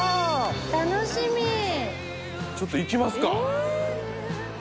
楽しみちょっと行きますかえ！